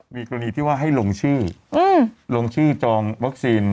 มีกรณีที่ว่าให้ลงชื่อลงชื่อจองวัคซีน